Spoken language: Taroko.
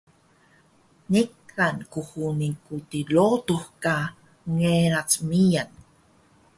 niqan qhuni quti rodux ka ngerac miyan